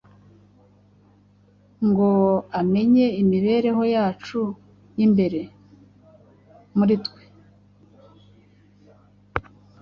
ngo amenye imibereho yacu y’imbere muri twe.